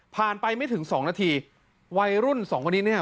ไปไม่ถึงสองนาทีวัยรุ่นสองคนนี้เนี่ย